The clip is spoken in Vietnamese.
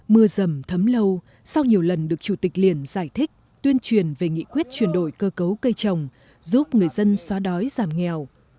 mưa rầm thấm lâu sau nhiều lần được chủ tịch liền giải thích tuyên truyền về nghị quyết chuyển đổi cơ cấu cây trồng giúp người dân xóa đói giảm nghèo